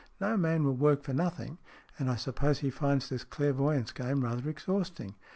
No man will work for nothing, and I suppose he finds this clairvoyance game rather exhausting.